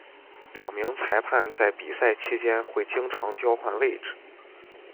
两名裁判在比赛期间会经常交换位置。